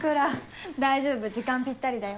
大丈夫時間ぴったりだよ。